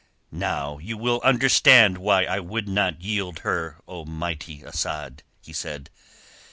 "Now you will understand why I would not yield her, O mighty Asad," he said.